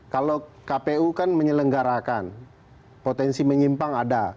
kalau kpu kan menyelenggarakan potensi menyimpang ada